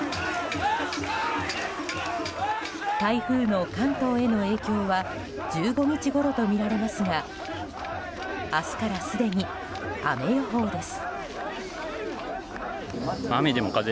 台風の関東への影響は１５日ごろとみられますが明日からすでに雨予報です。